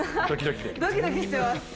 ドキドキしてます。